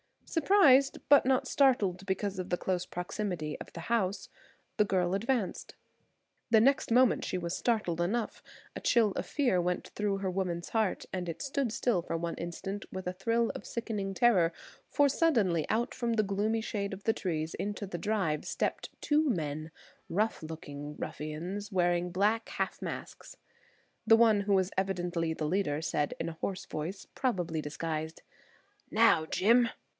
Surprised, but not startled, because of the close proximity of the house, the girl advanced. The next moment she was startled enough; a chill of fear went through her woman's heart and it stood still for one instant with a thrill of sickening terror, for suddenly out from the gloomy shade of the trees, into the drive, stepped two men, rough looking ruffians wearing black half masks. The one who was evidently the leader said in a hoarse voice, probably disguised: "Now, Jim."